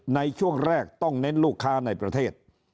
ในช่วงแรกต้องเน้นลูกค้าในประเทศ